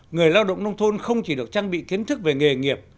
người lao động nông thôn không chỉ được trang bị kiến thức về nghề nghiệp